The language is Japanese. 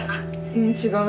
ううん違う。